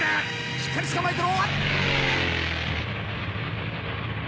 しっかり捕まえてろ！